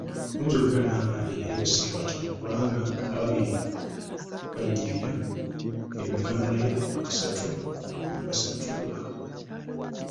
Oyinza okubeera n'abangi naye weesige batono kubanga,"ababiri babibira ebigambo naye abasatu babisattula".